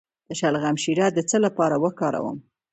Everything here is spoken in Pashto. د شلغم شیره د څه لپاره وکاروم؟